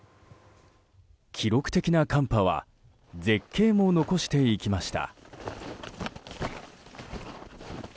記録的な寒波は絶景も残していきました。